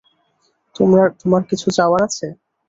তোমার কিছু চাওয়ার আছে?